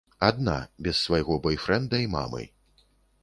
Адна, без свайго бойфрэнда і мамы.